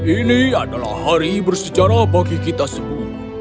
ini adalah hari bersejarah bagi kita semua